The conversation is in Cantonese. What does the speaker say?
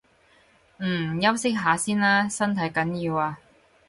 嗯，休息下先啦，身體緊要啊